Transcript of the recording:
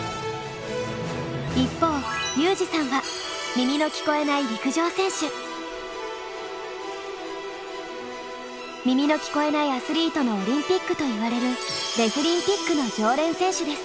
一方裕士さんは耳の聞こえないアスリートのオリンピックといわれるデフリンピックの常連選手です。